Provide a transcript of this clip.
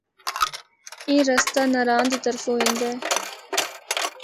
اے رستہ ناران دے طرفو ایندا ہے۔